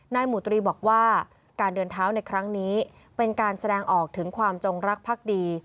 หมู่ตรีบอกว่าการเดินเท้าในครั้งนี้เป็นการแสดงออกถึงความจงรักภักดี